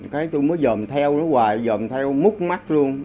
cái tôi mới dồn theo nó hoài dồn theo múc mắt luôn